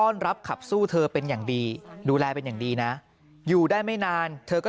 ชู้เธอเป็นอย่างดีดูแลเป็นอย่างดีนะอยู่ได้ไม่นานเธอก็